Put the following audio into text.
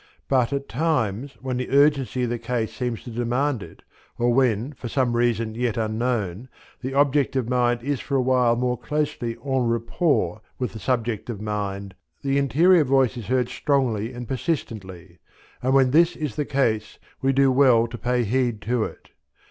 But at times when the urgency of the case seems to demand it, or when, for some reason yet unknown, the objective mind is for a while more closely en rapport with the subjective mind, the interior voice is heard strongly and persistently; and when this is the case we do well to pay heed to it.